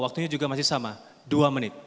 waktunya juga masih sama dua menit